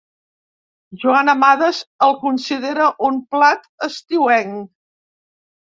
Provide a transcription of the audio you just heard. Joan Amades el considera un plat estiuenc.